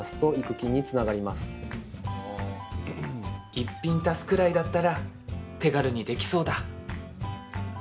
一品、足すくらいだったら手軽にできそうだ。